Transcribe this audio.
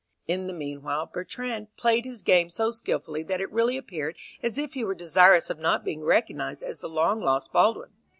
In the meanwhile Bertrand played his game so skilfully that it really appeared as if he were desirous of not being recognized as the long lost Baldwin.